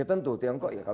ya tentu tiongkok ya